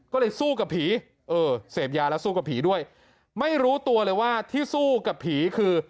ก็เลยสู้กับผีเออเสพยาแล้วสู้กับผีด้วยไม่รู้ตัวเลยว่าที่สู้กับผีคือ